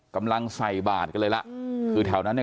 กำลังใส่บาทกันเลยล่ะคือแถวนั้นเนี่ย